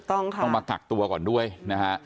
ต้องมากักตัวก่อนด้วยนะฮะ